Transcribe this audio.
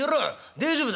大丈夫だ。